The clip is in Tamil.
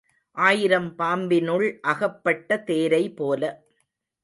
ஆயிரம் பாம்பினுள் அகப்பட்ட தேரைபோல.